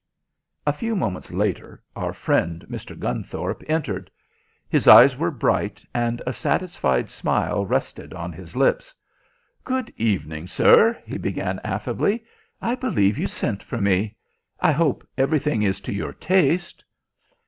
A few moments later our friend Mr. Gunthorpe entered. His eyes were bright, and a satisfied smile rested on his lips. "Good evening, sir," he began affably. "I believe you sent for me. I hope everything is to your taste?"